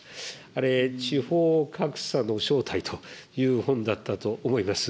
あれ、地方格差の正体という本だったと思います。